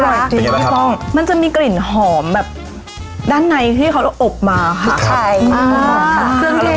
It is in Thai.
พี่ป้องมันจะมีกลิ่นหอมแบบด้านในที่เขาอบมาค่ะใช่อ่าค่ะ